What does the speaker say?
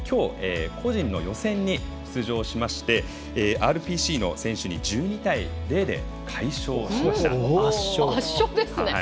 きょう、個人に出場しましてＲＰＣの選手に快勝しました。